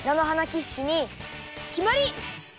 キッシュにきまり！